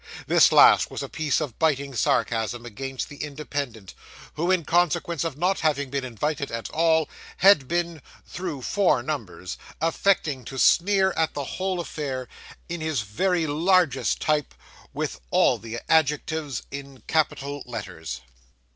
This last was a piece of biting sarcasm against the Independent, who, in consequence of not having been invited at all, had been, through four numbers, affecting to sneer at the whole affair, in his very largest type, with all the adjectives in capital letters.